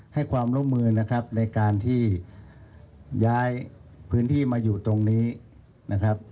ให้ความร่วมมือนะครับในการที่ย้ายพื้นที่มาอยู่ตรงนี้นะครับ